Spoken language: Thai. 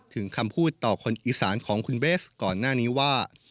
คำพูดต่อคนอีสานของคุณเบสก่อนหน้านี้ว่า